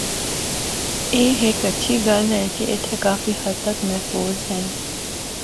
اے ہک ہچھی گل ہے کہ اِتھا کافی ہد تک محفوظ ہن۔